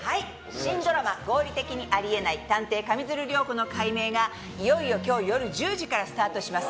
新ドラマ「合理的にあり得ない探偵・上水流涼子の解明」がいよいよ今日夜１０時からスタートします。